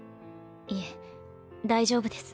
いえ大丈夫です。